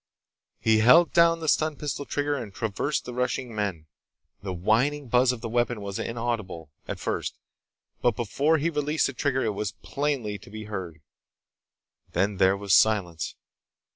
He held down the stun pistol trigger and traversed the rushing men. The whining buzz of the weapon was inaudible, at first, but before he released the trigger it was plainly to be heard. Then there was silence.